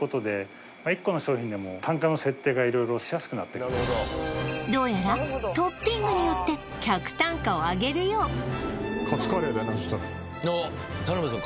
そしてまず色々どうやらトッピングによって客単価を上げるようあっ田辺さん